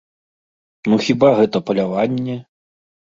Ну хіба гэта паляванне?